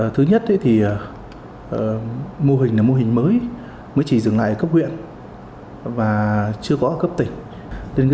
thứ nhất mô hình mới chỉ dừng lại ở cấp huyện và chưa có ở cấp tỉnh